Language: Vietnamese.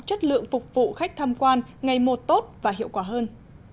chất lượng phục vụ khách tham quan ngày một tốt và hiệu quả hơn